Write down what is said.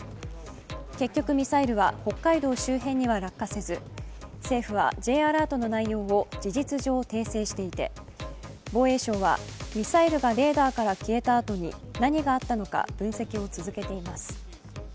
結局、ミサイルは北海道周辺には落下せず、政府はＪアラートの内容を事実上訂正していて防衛省は、ミサイルがレーダーから消えたあとに、何があったのか、分析を続けています。